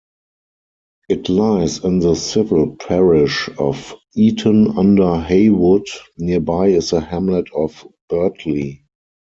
It lies in the civil parish of Eaton-under-Heywood; nearby is the hamlet of Birtley.